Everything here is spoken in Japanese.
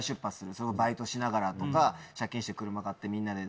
それもバイトしながらとか借金して車買ってみんなで。